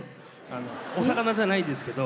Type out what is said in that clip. あのお魚じゃないですけど。